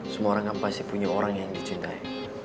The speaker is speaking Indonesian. semua orang kan pasti punya orang yang dicintai